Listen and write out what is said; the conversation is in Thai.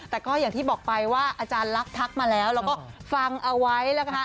แต่ก็อย่างที่บอกไปว่าอาจารย์ลักษณ์ทักมาแล้วแล้วก็ฟังเอาไว้นะคะ